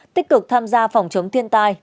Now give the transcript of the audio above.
tích cực tham gia phòng chống thiên tai